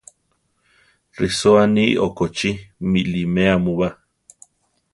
Risóa aní okochí! miʼlimea mu ba!